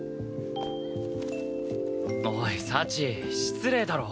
おい幸失礼だろ。